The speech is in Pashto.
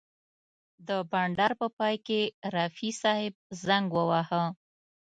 د بنډار په پای کې رفیع صاحب زنګ وواهه.